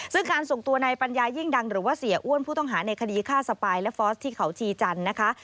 ซึ่งการส่งตัวในปัญญายิ่งดังหรือว่าเสียอ้วนผู้ต้องหาในคดีฆ่าสปายและฟอสที่เขาชีจันทร์นะคะ